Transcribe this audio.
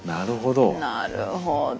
なるほど。